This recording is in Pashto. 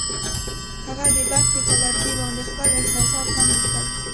هغوی د دښته پر لرګي باندې خپل احساسات هم لیکل.